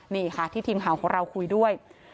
นี่ค่ะที่ทีมข่าวของเราคุยด้วย